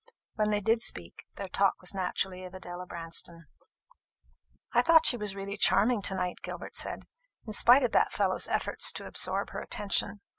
When they did speak, their talk was naturally of Adela Branston. "I thought she was really charming to night," Gilbert said, "in spite of that fellow's efforts to absorb her attention.